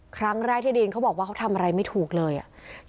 ครั้งแรกที่ดินเขาบอกว่าเขาทำอะไรไม่ถูกเลยอ่ะ